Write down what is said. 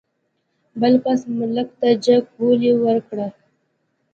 بل کس مالک ته جګ بولي ورکړه.